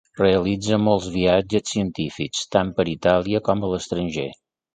Realitza molts viatges científics, tant per Itàlia com a l'estranger.